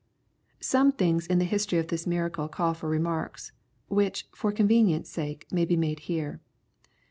Some things in the history of this miracle call for remarks, which, for convenience sake, may be made here.